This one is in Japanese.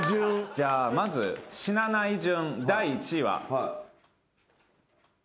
じゃあまず死なない順第１位は。